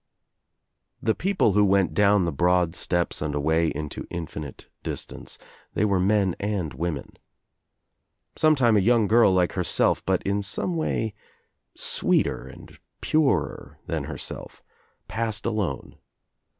The people who went down the broad steps and away into infinite distance — they were men and women. Sometime a young girl like herself but in some way ^tweeter and purer than herself, passed alone.